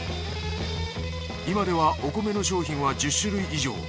今ではお米の商品は１０種類以上。